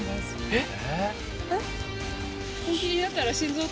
「えっ？」